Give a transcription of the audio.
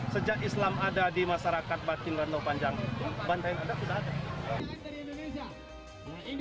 sejak islam ada di masyarakat batin rantau panjang bantai adat sudah ada